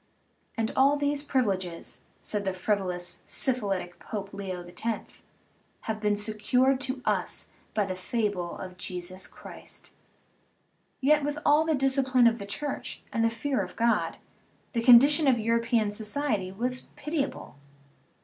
"And all these privileges," said the frivolous, syphilitic Pope, Leo X., "have been secured to us by the fable of Jesus Christ." Yet, with all the discipline of the Church and the fear of God, the condition of European society was pitiable.